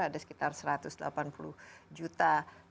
ada sekitar satu ratus delapan puluh juta